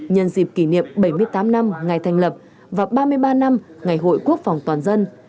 nhân dịp kỷ niệm bảy mươi tám năm ngày thành lập và ba mươi ba năm ngày hội quốc phòng toàn dân